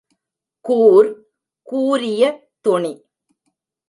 கூர் கூரிய துணி.